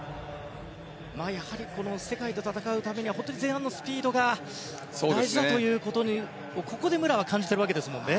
やはり世界と戦うためには前半のスピードが大事だということを武良はここで感じているわけですね。